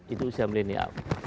itu usia milenial